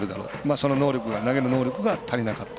その投げる能力が足りなかった。